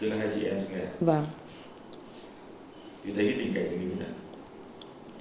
thì thấy cái tình cảnh như thế nào